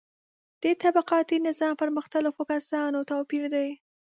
د طبقاتي نظام پر مختلفو کسانو توپیر دی.